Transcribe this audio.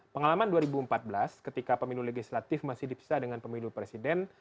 pengalaman dua ribu empat belas ketika pemilu legislatif masih dipisah dengan pemilu presiden